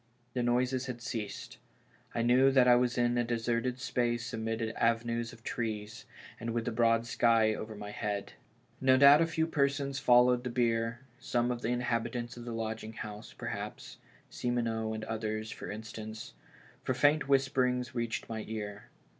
The noises had ceased ; I knew that I was in a deserted space amid avenues of trees, and with tlie broad sky over my head. No doubt a few persons followed the bier, some of the inhabitants of the lodging house, perhaps — Simoneau and others, for instance — for faint whisperings reached my ear.